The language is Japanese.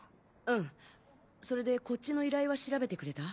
うんそれでこっちの依頼は調べてくれた？